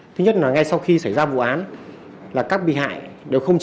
thứ nhất là ngay sau khi xảy ra vụ án là các bị hại đều không chỉ